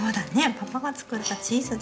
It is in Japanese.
パパが作ったチーズだ。